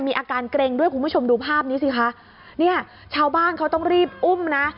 อาการเกร็งด้วยคุณผู้ชมดูภาพนี้สิคะเนี่ยชาวบ้านเขาต้องรีบอุ้มนะ